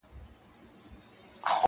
بس دعوه یې بې له شرطه و ګټله,